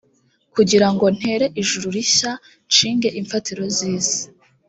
kugira ngo ntere ijuru rishya nshinge imfatiro z isi